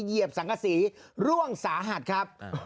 เหยียบสังศักดิ์ศรีร่วงสาหัสครับ